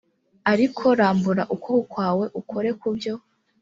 ariko rambura ukuboko kwawe ukore ku byo